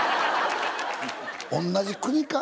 同じ国か？